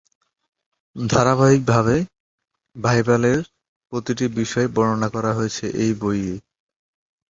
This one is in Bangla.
ধারাবাহিকভাবে বাইবেলের প্রতিটি বিষয়ের বর্ণনা রয়েছে এই বইয়ে।